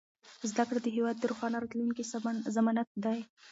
زده کړه د هېواد د روښانه راتلونکي ضمانت دی.